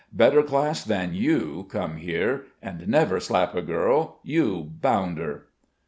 Better class than you come here, and never slap a girl. You bounder!"